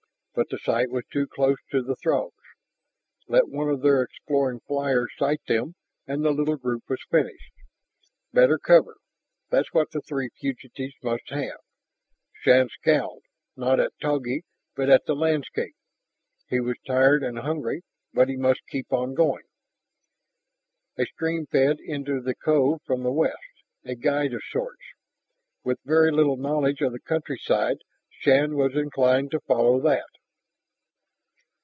But the site was too close to the Throgs. Let one of their exploring flyers sight them, and the little group was finished. Better cover, that's what the three fugitives must have. Shann scowled, not at Togi, but at the landscape. He was tired and hungry, but he must keep on going. A stream fed into the cove from the west, a guide of sorts. With very little knowledge of the countryside, Shann was inclined to follow that.